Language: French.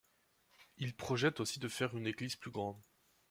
Il projette aussi de faire une église plus grande.